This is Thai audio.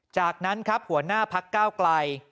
จากนั้นครับหัวหน้าพักก้าวไกล